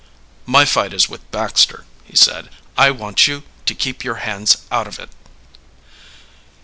"My fight is with Baxter," he said. "I want you to keep your hands out of it."